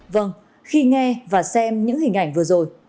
vâng khi nghe và xem những hình ảnh vừa rồi